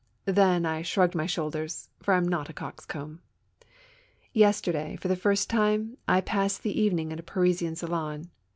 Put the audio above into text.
Then, I shrugged my shoulders, for I am not a coxcomb. Yesterday, for the first time, I passed the evening in a Parisian salon.